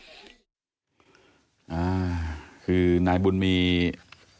อ่าคือนายบุญมี